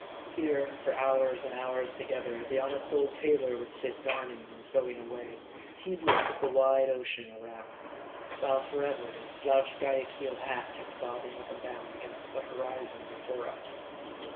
Here for hours and hours together the honest old tailor would sit darning and sewing away, heed less of the wide ocean around ; while forever, his slouched Guayaquil hat kept bobbing up and down against the hori zon before us.